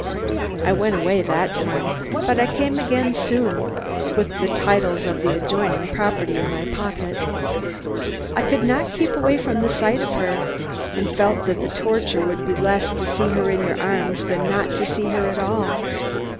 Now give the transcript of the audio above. I went away that time, but I came again soon with the titles of the adjoining property in my pocket. I could not keep away from the sight of her, and felt that the torture would be less to see her in your arms than not to see her at all."